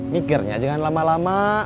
mikirnya jangan lama lama